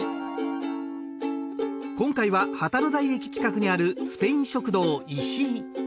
今回は旗の台駅近くにあるスペイン食堂石井。